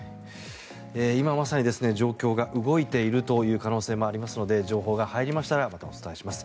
今まさに状況が動いているという可能性もありますので情報が入りましたらまたお伝えします。